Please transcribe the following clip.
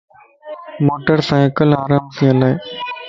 موٽر سينڪل آرام سين ھلائي